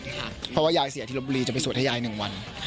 เพราะว่ายายเสียที่ลบบุรีจะไปสวดให้ยาย๑วัน